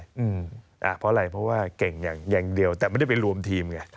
เพราะอะไรเพราะว่าเก่งอย่างเดียวแต่ไม่ได้ไปรวมทีมไง